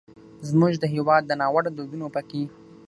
زموږ د هېواد ناوړه دودونه پکې